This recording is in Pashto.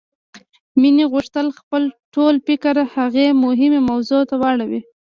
مينې غوښتل خپل ټول فکر هغې مهمې موضوع ته واړوي.